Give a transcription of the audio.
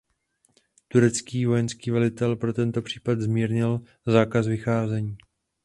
Turecký vojenský velitel pro tento případ zmírnil zákaz vycházení.